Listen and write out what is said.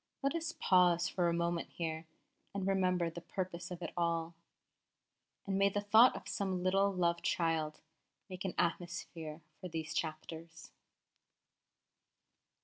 Let us pause for a moment here and remember the purpose of it all; and may the thought of some little, loved child make an atmosphere for these chapters!